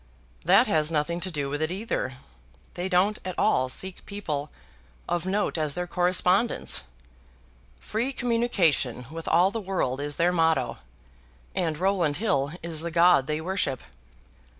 "That has nothing to do with it either. They don't at all seek people of note as their correspondents. Free communication with all the world is their motto, and Rowland Hill is the god they worship.